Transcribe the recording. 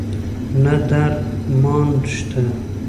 نه درد مان شته